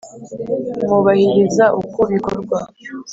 mwubahiriza uko bikorwa